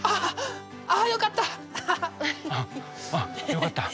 よかった。